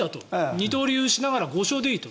二刀流しながら５勝でいいと。